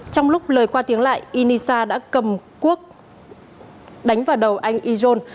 trong lúc lời qua tiếng lại inisa đã cầm cuốc đánh vào đầu anh ijon